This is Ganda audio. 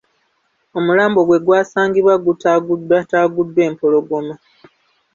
Omulambo gwe gw’asangibwa gutaaguddwataaguddwa empologoma.